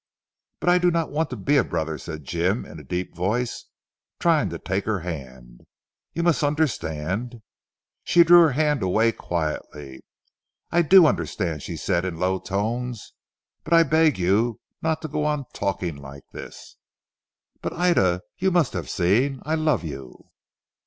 "But I do not want to be a brother," said Jim in a deep voice, trying to take her hand. "You must understand " She drew her hand away quietly. "I do understand," she said in low tones. "But I beg of you not to go on talking like this." "But Ida you must have seen. I love you."